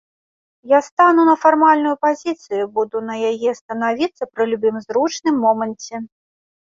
Я стану на фармальную пазіцыю, буду на яе станавіцца пры любым зручным моманце.